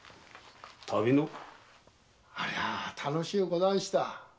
ありゃあ楽しゅうござんした。